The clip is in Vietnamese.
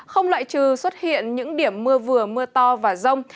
không loại trừ xuất hiện những điểm mưa vừa mưa to và rông